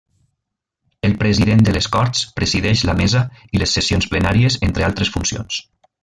El president de les Corts presideix la Mesa i les sessions plenàries entre altres funcions.